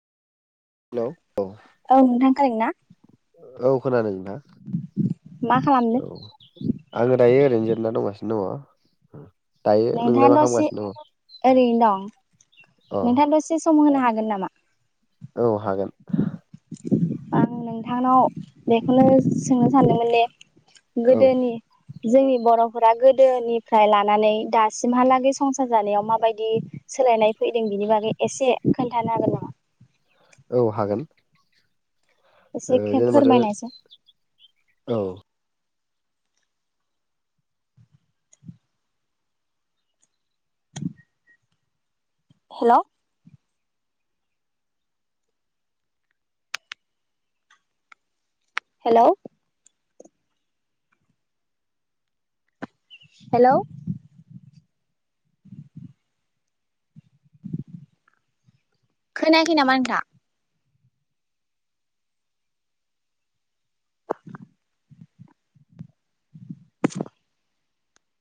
हेल' औ औ नोंथां खोनादोंना? औ खोनादों मा खालामदों नोंथां औ आंङो दायो ओरैनो जिरना दंगासिनो दंङ। दायो नोंथाङा नोंलाय मा दसे खालामगासिनो दंङ। ओरैनो दं नोंथाङा दसे सम होनो हागोन नामा? औ हागोन। आं नोंथांनाव बेखौनो सोंनो सानदोंमोन दे। औ गोदोनि जोंनि बर'फोरा गोदोनिफ्राय लानानै दासिमहालागै संसार जानायाव माबायदि सोलायनाय फैदों बिनि बागै एसे खोन्थानो हागोन नामा? औ हागोन। ओ एसे जेनेबाथो फोरमायनायसै औ हेल' हेलौ हेलौ खोनायाखै नामा नोंथां?